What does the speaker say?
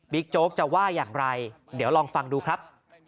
โจ๊กจะว่าอย่างไรเดี๋ยวลองฟังดูครับ